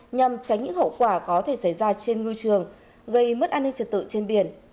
nhằm tránh những hậu quả có thể xảy ra trên ngư trường gây mất an ninh trật tự trên biển